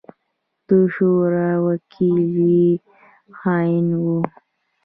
د شورا وکيل يې خائن وو.